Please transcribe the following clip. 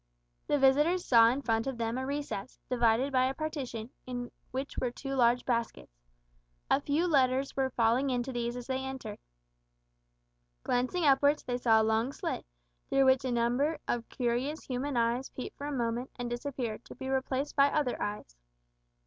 The visitors saw in front of them a recess, divided by a partition, in which were two large baskets. A few letters were falling into these as they entered. Glancing upwards, they saw a long slit, through which a number of curious human eyes peeped for a moment, and disappeared, to be replaced by other eyes.